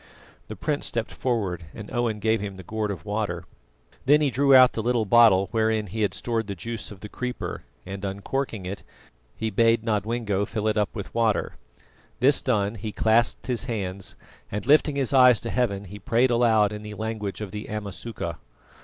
The prince stepped forward and Owen gave him the gourd of water. Then he drew out the little bottle wherein he had stored the juice of the creeper, and uncorking it, he bade Nodwengo fill it up with water. This done, he clasped his hands, and lifting his eyes to heaven, he prayed aloud in the language of the Amasuka.